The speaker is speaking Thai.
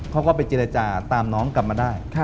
เขาก็ไปเจรจาตามน้องกลับมาได้